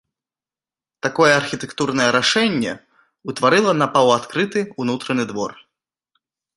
Такое архітэктурнае рашэнне ўтварыла напаўадкрыты ўнутраны двор.